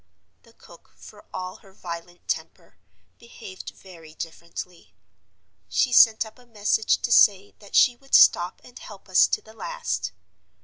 The cook, for all her violent temper, behaved very differently: she sent up a message to say that she would stop and help us to the last.